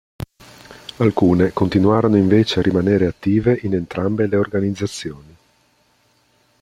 Alcune continuarono invece a rimanere attive in entrambe le organizzazioni.